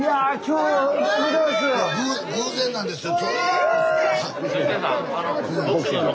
偶然なんですよ。